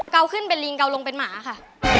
เกาขึ้นเป็นลิงเกาลงเป็นหมาค่ะ